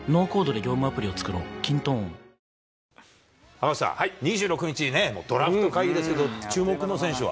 赤星さん、２６日ね、ドラフト会議ですけど、注目の選手は？